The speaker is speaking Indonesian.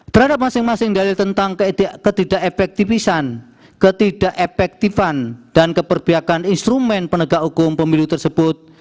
terhadap masing masing dalil tentang ketidak efektifan ketidak efektifan dan keperbiakan instrumen penegak hukum pemilu tersebut